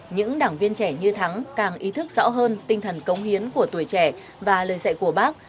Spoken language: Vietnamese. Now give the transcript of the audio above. những đảng viên trẻ như thắng càng ý thức rõ hơn tinh thần cống hiến của tuổi trẻ và lời dạy của bác